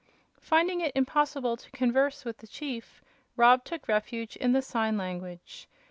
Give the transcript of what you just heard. Finding it impossible to converse with the chief, Rob took refuge in the sign language.